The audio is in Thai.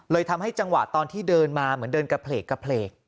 ทำให้จังหวะตอนที่เดินมาเหมือนเดินกระเพลก